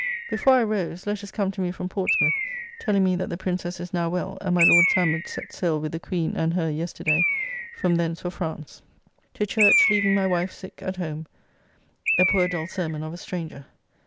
Before I rose, letters come to me from Portsmouth, telling me that the Princess is now well, and my Lord Sandwich set sail with the Queen and her yesterday from thence for France. To church, leaving my wife sick.... at home, a poor dull sermon of a stranger.